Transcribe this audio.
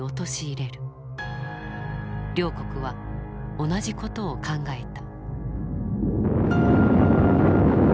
両国は同じ事を考えた。